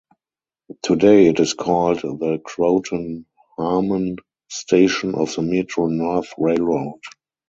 Today it is called the Croton-Harmon station of the Metro-North Railroad.